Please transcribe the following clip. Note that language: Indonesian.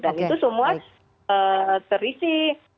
dan itu semua terisi